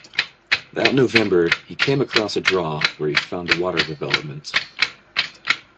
That November he came across a draw where he found a water development.